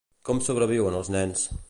Com sobreviuen els nens?